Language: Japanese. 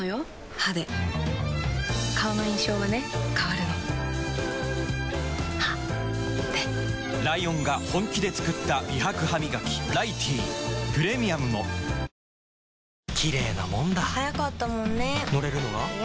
歯で顔の印象はね変わるの歯でライオンが本気で作った美白ハミガキ「ライティー」プレミアムも顔の印象はね変わるのよ